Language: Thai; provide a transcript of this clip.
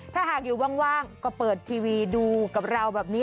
ถ้าหากอยู่ว่างก็เปิดทีวีดูกับเราแบบนี้